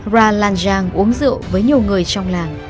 ra lan giang uống rượu với nhiều người trong làng